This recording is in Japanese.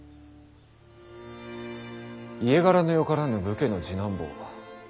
家柄のよからぬ武家の次男坊